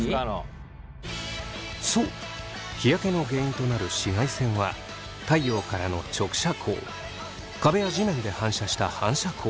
そう日焼けの原因となる紫外線は太陽からの直射光壁や地面で反射した反射光